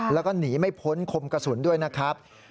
แล้วก็หนีไม่พ้นคมกระสุนด้วยนะครับ